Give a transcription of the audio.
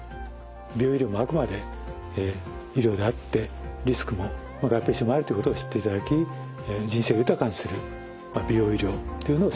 美容医療もあくまで医療であってリスクも合併症もあるということを知っていただき人生を豊かにする美容医療っていうのを選択していただければと思います。